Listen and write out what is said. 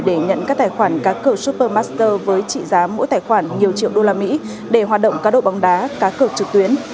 để nhận các tài khoản cá cực supermaster với trị giá mỗi tài khoản nhiều triệu usd để hoạt động cá độ bóng đá cá cực trực tuyến